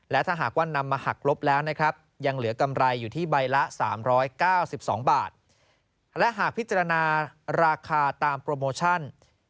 และถ้าหากว่านำมาหักลบแล้วนะครับยังเหลือกำไรอยู่ที่ใบละ๓๙๒บาทและหากพิจารณาราคาตามโปรโมชั่น